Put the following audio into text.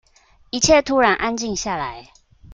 一切突然安靜下來